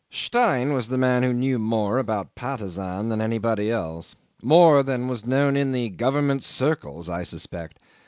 'Stein was the man who knew more about Patusan than anybody else. More than was known in the government circles I suspect.